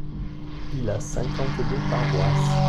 Il a cinquante-deux paroisses.